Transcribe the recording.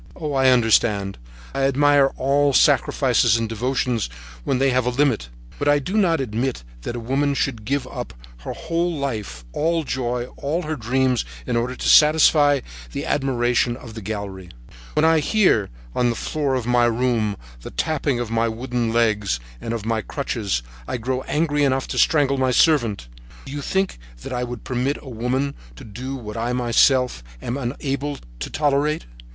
Oh, I understand, I admire all sacrifices and devotions when they have a limit, but I do not admit that a woman should give up her whole life, all joy, all her dreams, in order to satisfy the admiration of the gallery. When I hear, on the floor of my room, the tapping of my wooden legs and of my crutches, I grow angry enough to strangle my servant. Do you think that I would permit a woman to do what I myself am unable to tolerate?